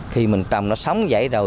khi mình trồng nó sống dậy rồi